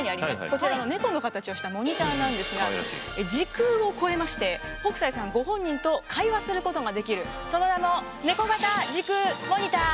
こちらの猫の形をしたモニターなんですが時空を超えまして北斎さんご本人と会話することができるその名もネコ型時空モニター！